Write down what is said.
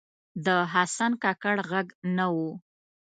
د حسن کاکړ ږغ نه و